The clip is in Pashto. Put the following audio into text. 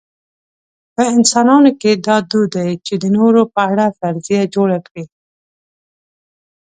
په انسانانو کې دا دود دی چې د نورو په اړه فرضیه جوړه کړي.